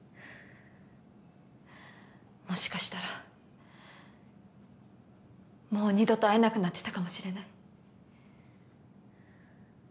もしかしたらもう二度と会えなくなってたかもしれない。